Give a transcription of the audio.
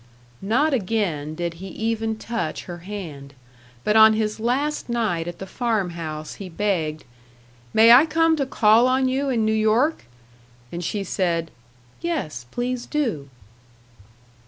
Not again did he even touch her hand. But on his last night at the farm house he begged, "May I come to call on you in New York?" and she said, "Yes, please do."